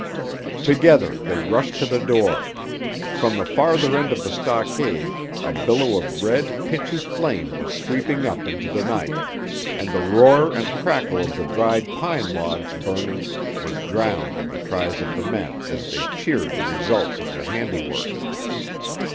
Together they rushed to the door. From the farther end of the stockade a billow of red, pitchy flame was sweeping up into the night, and the roar and crackle of the dried pine logs burning was drowned in the cries of the men as they cheered the results of their handiwork.